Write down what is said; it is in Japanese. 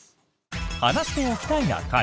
「話しておきたいな会」。